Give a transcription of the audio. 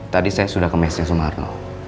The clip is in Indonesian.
tadi saya sudah kemesin sumarno